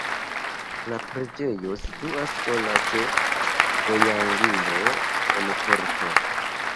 La preĝejo situas sola ĉe vojangulo en korto.